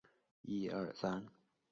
也是旅游宗教胜地。